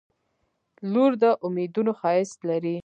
• لور د امیدونو ښایست لري.